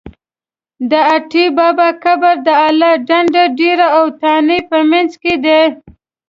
د اټی بابا قبر د اله ډنډ ډېری او تانې په منځ کې دی.